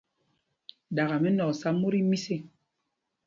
Ɗakɛ mɛnɔ̂k sá mot tí mis ê.